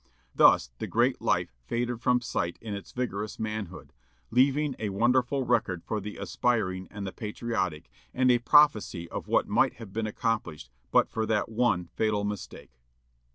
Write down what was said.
Thus the great life faded from sight in its vigorous manhood, leaving a wonderful record for the aspiring and the patriotic, and a prophecy of what might have been accomplished but for that one fatal mistake.